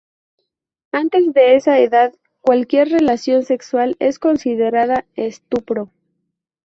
Antes de esa edad, cualquier relación sexual es considerada estupro.